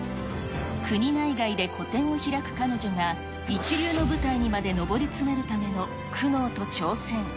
国内外で個展を開く彼女が、一流の舞台にまで上り詰めるための苦悩と挑戦。